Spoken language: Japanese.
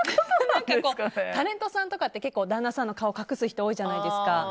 タレントさんとかって結構、旦那さんの顔を隠す人、多いじゃないですか。